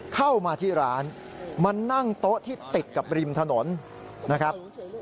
เข้ามาที่ร้านมานั่งโต๊ะที่ติดกับริมถนนนะครับ